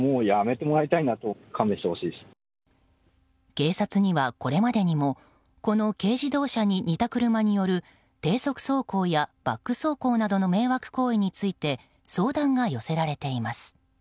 警察には、これまでにもこの軽自動車に似た車による低速走行やバック走行などの迷惑行為について相談が寄せられています。